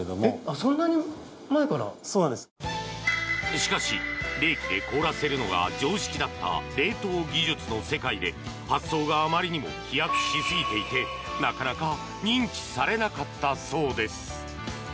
しかし、冷気で凍らせるのが常識だった冷凍技術の世界で発想があまりにも飛躍しすぎていてなかなか認知されなかったそうです。